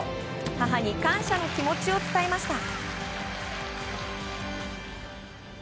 母に感謝の気持ちを伝えました。